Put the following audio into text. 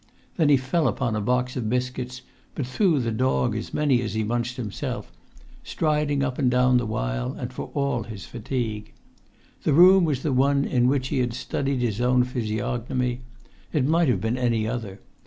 Then he fell upon a box of biscuits, but threw the dog as many as he munched himself, striding up and down the while, and for all his fatigue. The room was the one in which he had studied his own physiognomy. It might have been any other.